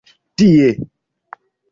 tie